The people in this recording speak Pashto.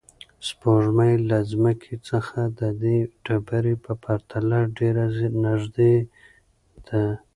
سپوږمۍ له ځمکې څخه د دې ډبرې په پرتله ډېره نږدې ده.